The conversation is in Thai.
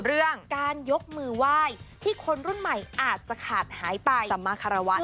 เรื่องการยกมือไหว้ที่คนรุ่นใหม่อาจจะขาดหายไปสมาคารวะ